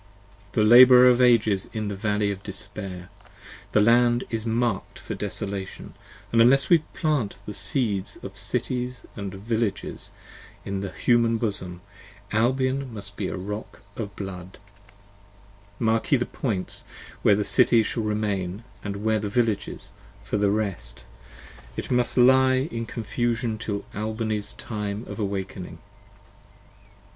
The labourer of ages in the Valleys of Despair! The land is mark'd for desolation & unless we plant 55 The seeds of Cities & of Villages in the Human bosom Albion must be a rock of blood: mark ye the points Where Cities shall remain, & where Villages: for the rest, It must lie in confusion till Albany's time of awaking.